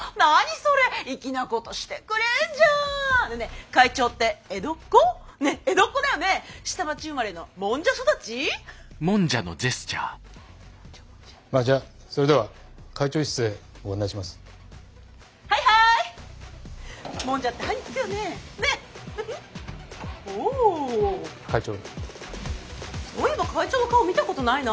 そういえば会長の顔見たことないな。